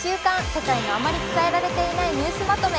世界のあまり伝えられていないニュースまとめ」。